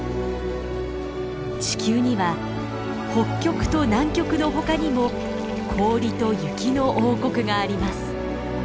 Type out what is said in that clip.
地球には北極と南極のほかにも氷と雪の王国があります。